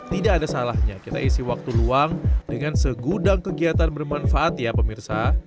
tidak ada salahnya kita isi waktu luang dengan segudang kegiatan bermanfaat ya pemirsa